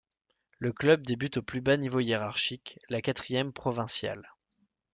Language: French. Le club débute au plus bas niveau hiérarchique, la quatrième provinciale.